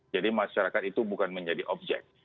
jadi masyarakat itu bukan menjadi objek